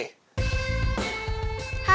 tuh bagus juga